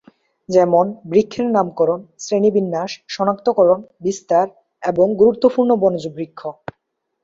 যেমনঃ বৃক্ষের নামকরণ, শ্রেণিবিন্যাস, সনাক্তকরণ, বিস্তার, এবং গুরুত্বপূর্ণ বনজ বৃক্ষ।